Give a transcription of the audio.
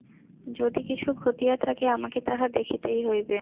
যদি কিছু ঘটিয়া থাকে, আমাকে তাহা দেখিতেই হইবে।